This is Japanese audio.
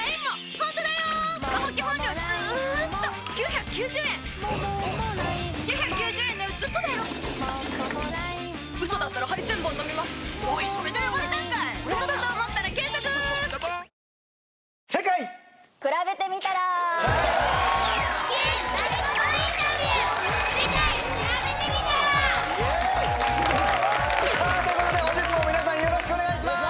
さあということで本日も皆さんよろしくお願いします